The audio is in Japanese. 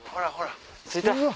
着いた。